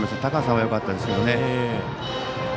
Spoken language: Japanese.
高さはよかったですけどね。